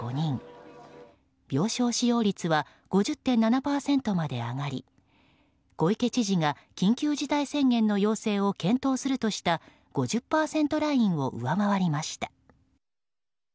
病床使用率は５０．７％まで上がり小池知事が緊急事態宣言の要請を検討するとした５０％ラインを上回りました。